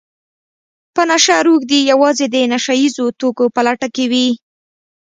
په نشه روږدي يوازې د نشه يیزو توکو په لټه کې وي